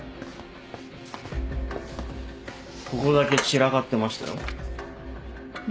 ここだけ散らかってましたよ。